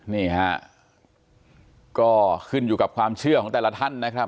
นี่ฮะก็ขึ้นอยู่กับความเชื่อของแต่ละท่านนะครับ